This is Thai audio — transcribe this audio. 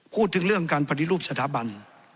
พูดถึงเรื่องการปฏิรูปสถาบัน